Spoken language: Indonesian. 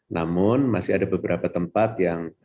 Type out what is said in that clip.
namun masih ada beberapa tempat yang